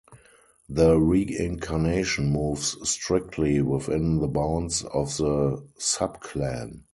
The reincarnation moves strictly within the bounds of the subclan.